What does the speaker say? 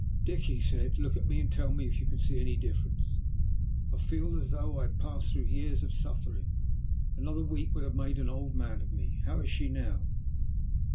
"Dick," he said, "look at me and tell me if you can see any difference. I feel as though I had passed through years of suffering. Another week would have made an old man of me. How is she now?"